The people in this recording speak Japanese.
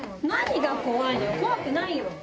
何が怖いのよ、怖くないよ。